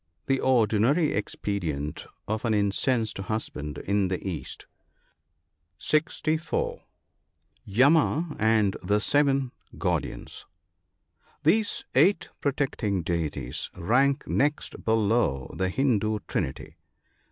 — The ordinary expedient of an incensed husband in the East. (64.) Yama and the seven guardians. — These eight protecting deities rank next below the Hindoo Trinity.